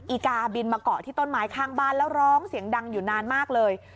อีกาบินมาเกาะที่ต้นไม้ข้างบ้านแล้วร้องเสียงดังอยู่นานมากเลย